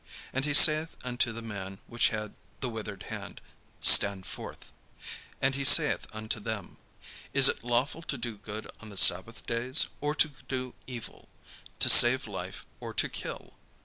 And he saith unto the man which had the withered hand: "Stand forth." And he saith unto them: "Is it lawful to do good on the sabbath days, or to do evil? to save life, or to kill?"